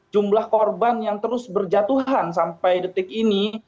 jumlah korban yang terus berjatuhan sampai detik ini